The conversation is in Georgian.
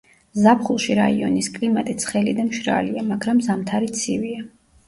ზაფხულში რაიონის კლიმატი ცხელი და მშრალია, მაგრამ ზამთარი ცივია.